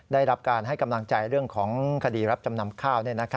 ได้รับการให้กำลังใจเรื่องของคดีรับจำนำข้าว